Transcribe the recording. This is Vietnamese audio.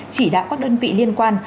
chỉ đạo các đơn vị liên quan